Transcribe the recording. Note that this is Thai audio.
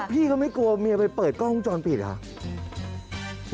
พี่ก็ไม่กลัวเมียไปเปิดกล้องวงจรปิดเหรอ